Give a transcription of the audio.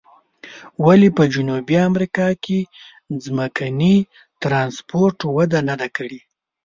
ولې په جنوبي امریکا کې ځمکني ترانسپورت وده نه ده کړې؟